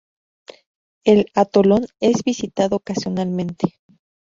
El atolón es visitado ocasionalmente.